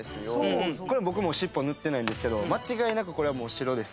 これ僕も尻尾塗ってないんですけど間違いなくこれはもう白です